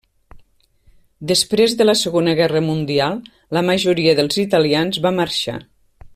Després de la Segona Guerra Mundial, la majoria dels italians va marxar.